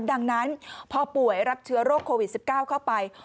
ดังนั้นพอป่วยรับเชื้อโรคโควิด๑๙เข้าไป